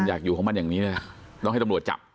อยากอยู่ของมันอย่างนี้เลยต้องให้ตำรวจจับ